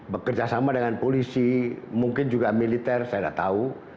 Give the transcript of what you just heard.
bekerjasama dengan polisi mungkin juga militer saya tidak tahu